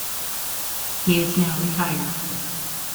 He is now retired.